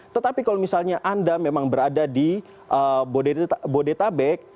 tetapi kalau misalnya anda memang berada di bodetabek